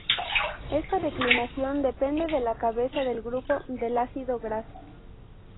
Esta declinación depende de la cabeza del grupo del ácido graso.